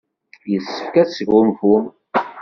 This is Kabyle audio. Yessefk ad tesgunfum.